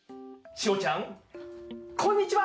ちおちゃんこんにちは。